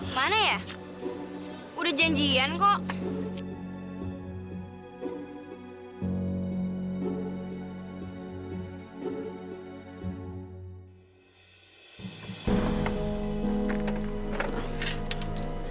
gimana ya udah janjian kok